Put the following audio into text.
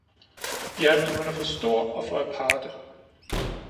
Ja, men han er for stor og for aparte